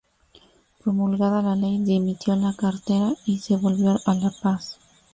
Promulgada la ley, dimitió la cartera y se volvió a La Paz.